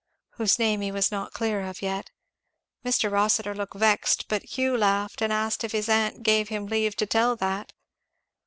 Whose name he was not clear of yet. Mr. Rossitur looked vexed, but Hugh laughed and asked if his aunt gave him leave to tell that.